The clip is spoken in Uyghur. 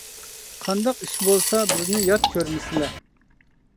قانداق ئىش بولسا بىزنى يات كۆرمىسىلە.